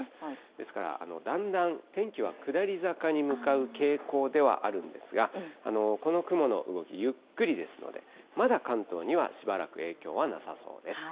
ですから、だんだん天気は下り坂に向かう傾向ではあるんですが、この雲の動き、ゆっくりですので、まだ関東にはしばらく影響はなさそうです。